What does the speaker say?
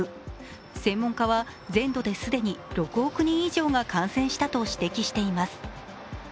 専門家は全土で既に６億人以上が感染したと指摘しています。